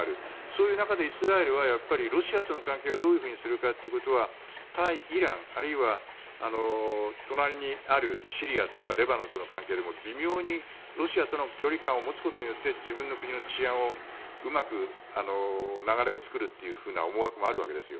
そういう中でイスラエルはやっぱり、ロシアとの関係をどうするかということは対イランあるいは隣にあるシリアとかレバノンとの関係でも微妙にロシアとの距離感を持つことによって自分の国の治安のうまく流れを作るという思惑もあるわけです。